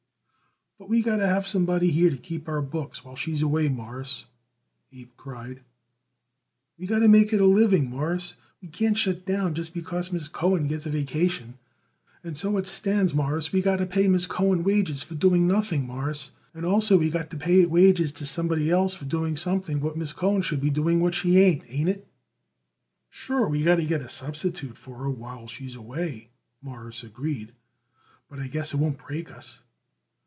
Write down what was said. "But we got to have somebody here to keep our books while she's away, Mawruss," Abe cried. "We got to make it a living, Mawruss. We can't shut down just because Miss Cohen gets a vacation. And so it stands, Mawruss, we got to pay Miss Cohen wages for doing nothing, Mawruss, and also we got to pay it wages to somebody else for doing something what Miss Cohen should be doing when she ain't, ain't it?" "Sure, we got to get a substitute for her while she's away," Morris agreed; "but I guess it won't break us."